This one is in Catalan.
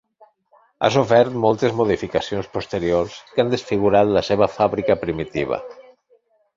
Ha sofert moltes modificacions posteriors que han desfigurat la seva fàbrica primitiva.